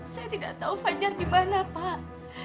saya tidak tahu fajar dimana pak